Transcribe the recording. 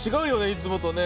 いつもとね。